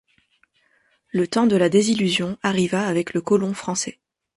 Le temps de la désillusion arriva avec le colon français.